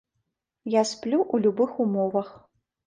Я сплю ў любых умовах.